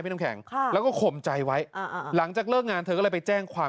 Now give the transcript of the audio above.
น้ำแข็งแล้วก็ข่มใจไว้อ่าหลังจากเลิกงานเธอก็เลยไปแจ้งความ